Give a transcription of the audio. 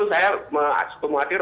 saya cukup khawatir